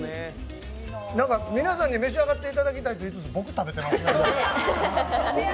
皆さんに召し上がっていただきたいと言いつつ、僕が食べていますね。